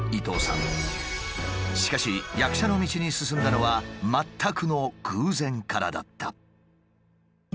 しかし役者の道に進んだのは全くの偶然からだった。